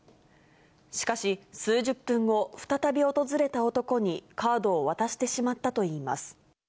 しかし、数十分後、再び訪れた男にカードを渡してしまったといいます。